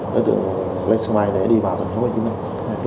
đối tượng lên sân bay để đi vào thành phố hồ chí minh